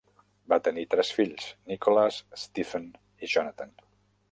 Va tenir tres fills: Nicholas, Stephen i Jonathan.